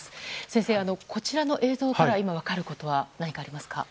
先生、こちらの映像から今、分かることは何かありますか。